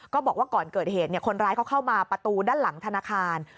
บอกว่าก่อนเกิดเหตุคนร้ายเขาเข้ามาประตูด้านหลังธนาคาร